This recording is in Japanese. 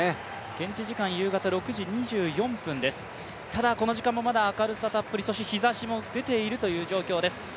現地時間６時２４分です、ただまだこの時間も明るさたっぷり、そして日ざしも出ているという状況です。